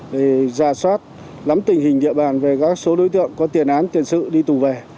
thì ra soát lắm tình hình địa bàn về các số đối tượng có tiền án tiền sự đi tù về